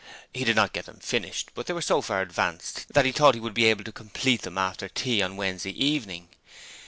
He did not get them finished, but they were so far advanced that he thought he would be able to complete them after tea on Wednesday evening.